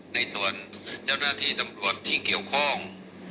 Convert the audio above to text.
ในส่วนเจ้าหน้าที่ตำรวจที่เกี่ยวข้อง